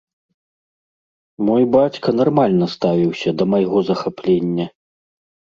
Мой бацька нармальна ставіўся да майго захаплення.